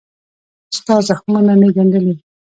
ستا زخمونه مې ګنډلي